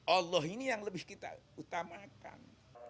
allah ini yang lebih kita utamakan